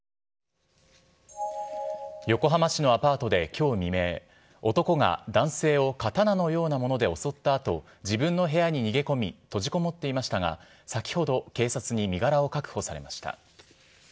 横浜市のアパートで、きょう未明、男が男性を刀のようなもので襲ったあと、自分の部屋に逃げ込み閉じこもっていましたが、先ほど、警察に身柄を確保されました。